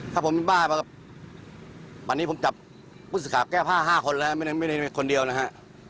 ถ้าผมมีบ้าว่าปันนี้ผมจับผู้ศึกษาแก้ผ้า๕คนแล้วไม่ได้มีคนเดียวนะฮะ